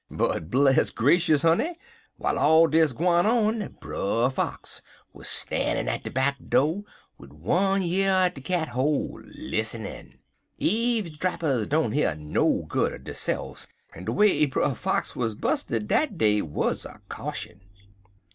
"But bless grashus, honey! w'ilst all dis gwine on, Brer Fox wuz stannin' at de back do' wid one year at de cat hole lissenin'. Eave drappers don't hear no good er deyse'f, en de way Brer Fox wuz 'bused dat day wuz a caution.